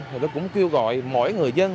thì nó cũng kêu gọi mỗi người dân